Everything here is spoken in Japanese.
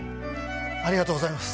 ありがとうございます。